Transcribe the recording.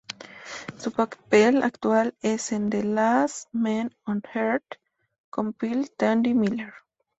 Su papel actual es en "The Last Man On Earth" como Phil "Tandy" Miller.